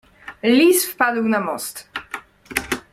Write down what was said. "Lis wpadł na most."